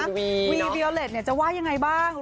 คุณวีวีโวเล็ตจะว่ายังไงบ้าง